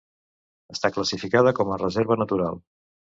Està classificada com a reserva natural.